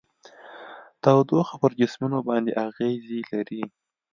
تودوخه پر جسمونو باندې اغیزې لري.